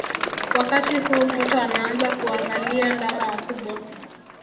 Wakati huu mtoto anaanza kuwaangalia ndama wakubwa